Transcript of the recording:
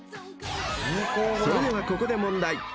［それではここで］